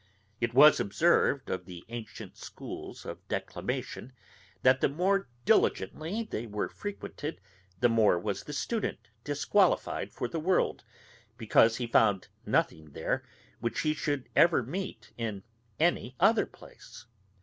It was observed of the ancient schools of declamation, that the more diligently they were frequented, the more was the student disqualified for the world, because he found nothing there which he should ever meet in any other place.